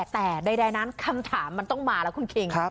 แต่ใดนั้นคำถามมันต้องมาแล้วคุณคิง